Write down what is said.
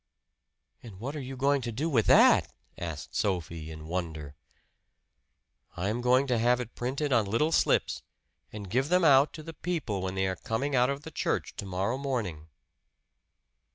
"And what are you going to do with that?" asked Sophie in wonder. "I am going to have it printed on little slips, and give them out to the people when they are coming out of the church to morrow morning."